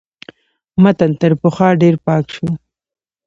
متن تر پخوا ډېر پاک شو.